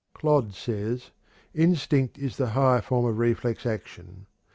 Clodd says: "Instinct is the higher form of reflex action.